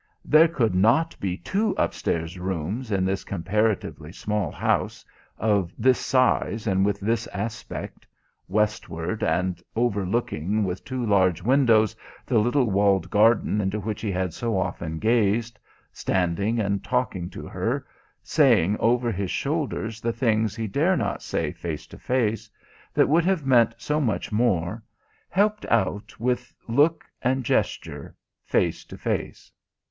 There could not be two upstairs rooms in this comparatively small house, of this size and with this aspect; westward, and overlooking with two large windows the little walled garden into which he had so often gazed, standing and talking to her, saying over his shoulders the things he dare not say face to face that would have meant so much more, helped out with look and gesture, face to face.